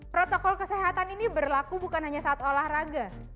protokol kesehatan ini berlaku bukan hanya saat olahraga